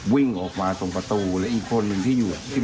วิ่งออกมาตรงประตู